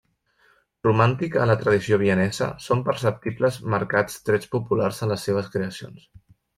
Romàntic en la tradició vienesa, són perceptibles marcats trets populars en les seves creacions.